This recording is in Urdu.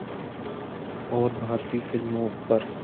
اور بھارتی فلموں پر